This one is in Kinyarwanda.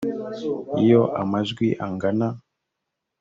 iyo amajwi angana